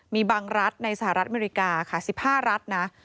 มีบางรัฐในสหรัฐอเมริกาค่ะ๑๕รัฐนะ